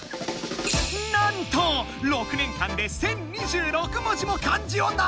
なんと６年間で１，０２６文字も漢字をならうんだって！